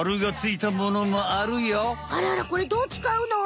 あらあらこれどう使うの？